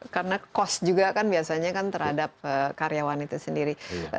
karena cost juga kan biasanya kan terhadap karyawan itu sendiri